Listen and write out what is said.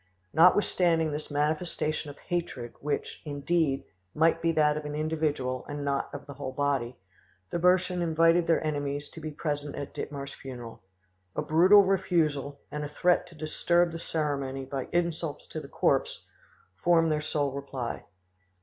Notwithstanding this manifestation of hatred, which, indeed, might be that of an individual and not of the whole body, the Burschen invited their enemies to be present at Dittmar's funeral. A brutal refusal, and a threat to disturb the ceremony by insults to the corpse, formed their sole reply.